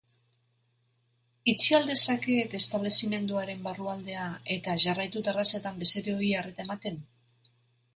Itxi al dezaket establezimenduaren barrualdea eta jarraitu terrazetan bezeroei arreta ematen?